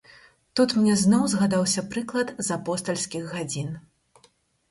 Тут мне зноў згадаўся прыклад з апостальскіх гадзін.